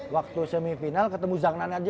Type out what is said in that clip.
waktu semifinal ketemu zagnana aja